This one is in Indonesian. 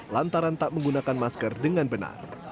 lantaran tak menggunakan masker dengan benar